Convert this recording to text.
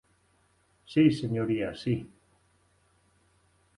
Si, señoría, si.